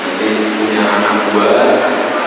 nanti punya anak buat